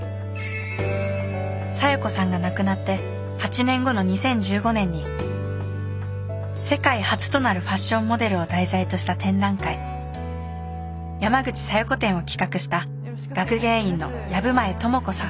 小夜子さんが亡くなって８年後の２０１５年に世界初となるファッションモデルを題材とした展覧会山口小夜子展を企画した学芸員の藪前知子さん